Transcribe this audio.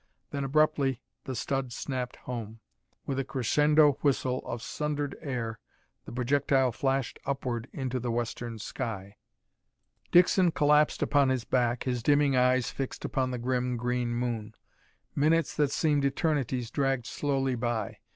Then abruptly the stud snapped home. With a crescendo whistle of sundered air the projectile flashed upward into the western sky. Dixon collapsed upon his back, his dimming eyes fixed upon the grim green moon. Minutes that seemed eternities dragged slowly by.